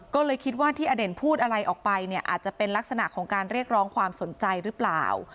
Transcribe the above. ก็เลยคิดว่าที่อเด่นพูดอะไรออกไปเนี่ยอาจจะเป็นลักษณะของการเรียกร้องความสนใจหรือเปล่า